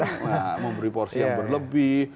tidak memberi porsi yang berlebih